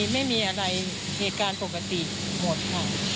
ไม่มีอะไรเหตุการณ์ปกติหมดค่ะ